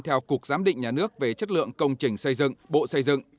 theo cục giám định nhà nước về chất lượng công trình xây dựng bộ xây dựng